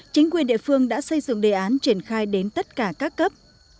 chính quyền địa phương đã xây dựng đề án triển khai đến tất cả các cấp